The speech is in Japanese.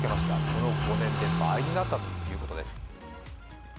この５年で倍になったということです。